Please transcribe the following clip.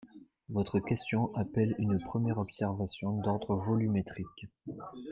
Votre question appelle une première observation d’ordre volumétrique.